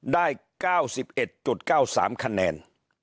ได้๙๑๙๓คะแนน